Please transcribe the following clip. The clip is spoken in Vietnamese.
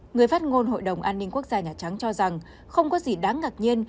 người phát ngôn hội đồng an ninh quốc gia nhà trắng cho rằng không có gì đáng ngạc nhiên